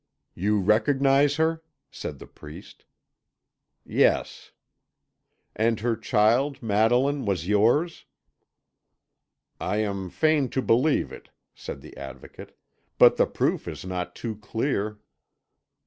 "You recognise her?" said the priest. "Yes." "And her child, Madeline, was yours?" "I am fain to believe it," said the Advocate; "but the proof is not too clear."